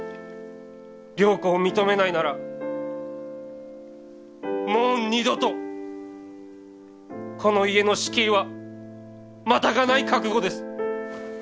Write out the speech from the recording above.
良子を認めないならもう二度とこの家の敷居はまたがない覚悟です。